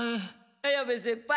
綾部先輩。